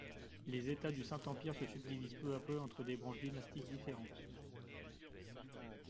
Les États du Saint-Empire se subdivisent peu à peu entre des branches dynastiques différentes.